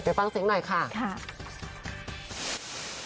ไปฟังเส้นของหน่อยค่ะนะครับ